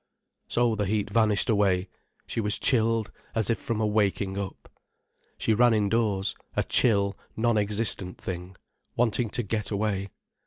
So the heat vanished away, she was chilled, as if from a waking up. She ran indoors, a chill, non existent thing, wanting to get away.